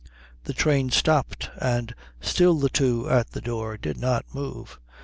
The train stopped, and still the two at the door did not move.